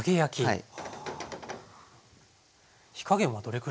はい。